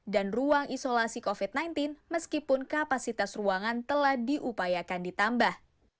dan ruang isolasi covid sembilan belas meskipun kapasitas ruangan telah diupayakan ditambah